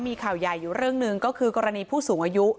มีข่าวใหญ่อยู่เรื่องหนึ่งก็คือกรณีผู้สูงอายุ